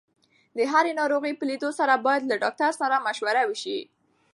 د هرې ناروغۍ په لیدو سره باید له ډاکټر سره مشوره وشي.